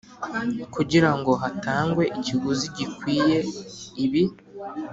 Kugira ngo hatangwe ikiguzi gikwiye ibi